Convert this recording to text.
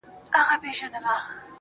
له پاڼې ـ پاڼې اوستا سره خبرې وکړه~